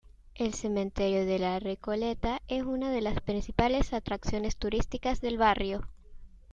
El cementerio de la Recoleta es una de las principales atracciones turísticas del barrio.